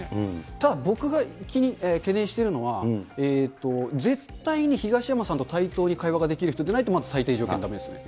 ただ、僕が懸念しているのは、絶対に東山さんと対等に会話できる人でないとまず最低条件だめですね。